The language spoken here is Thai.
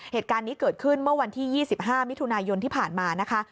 เหตุการณ์นี้เกิดขึ้นเมื่อวันที่๒๕มิถุนายนที่ผ่านมานะคะ